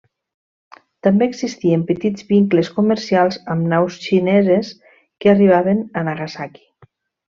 També existien petits vincles comercials amb naus xineses que arribaven a Nagasaki.